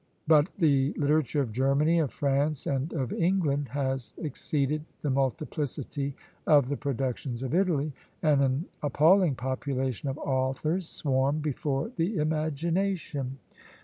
But the literature of Germany, of France, and of England has exceeded the multiplicity of the productions of Italy, and an appalling population of authors swarm before the imagination.